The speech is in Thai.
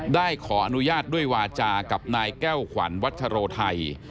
ได้ขออนุญาตด้วยวาจากับนายแก้วขวัญวัชโรไทย